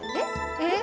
えっ？